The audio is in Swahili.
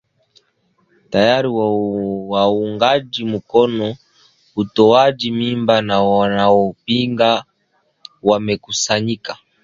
Tayari waungaji mkono utoaji mimba na wanaopinga wamekusanyika